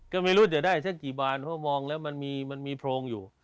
ก็ไม่รู้จะได้สักกี่บานเพราะมองแล้วมันมีโพรงอยู่